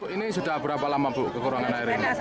ini sudah berapa lama bu kekurangan air ini